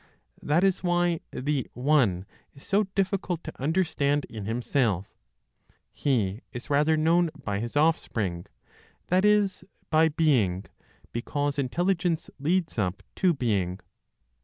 That is why the One is so difficult to understand in Himself; He is rather known by His offspring; that is, by Being, because Intelligence leads up to Being.